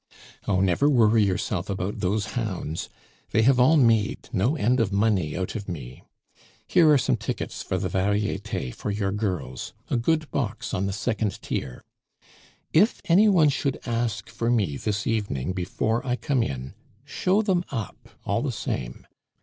"Oh, never worry yourself about those hounds! They have all made no end of money out of me. Here are some tickets for the Varietes for your girls a good box on the second tier. If any one should ask for me this evening before I come in, show them up all the same.